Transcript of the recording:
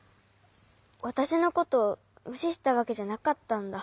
わたしのことむししたわけじゃなかったんだ。